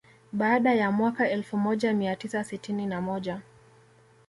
Baada ya mwaka elfu moja mia tisa sitini na moja